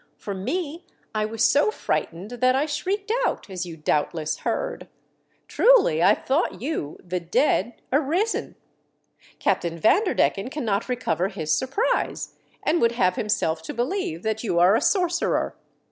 For me, I was so frightened that I shrieked out, as you doubtless heard. Truly I thought you, the dead, arisen. Captain Vanderdecken cannot recover his surprise, and would have himself to believe that you are a sorcerer.